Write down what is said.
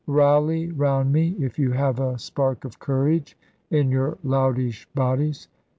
Rally round me, if you have a spark of courage in your loutish bodies.